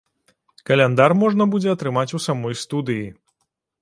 Каляндар можна будзе атрымаць у самой студыі.